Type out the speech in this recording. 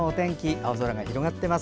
青空が広がっています。